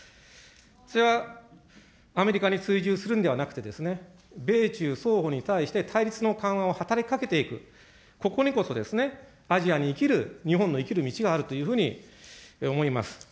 それはアメリカに追従するんではなくて、米中双方に対して対立の緩和を働きかけていく、ここにこそ、アジアに生きる日本の生きる道があるというふうに思います。